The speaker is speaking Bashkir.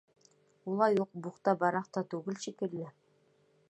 Улай уҡ «бухта-барахта» түгел шикелле.